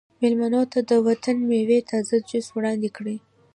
میلمنو ته د وطني میوو تازه جوس وړاندې کړئ